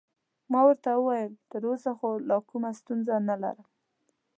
ما ورته وویل: تراوسه خو لا کومه ستونزه نلرم.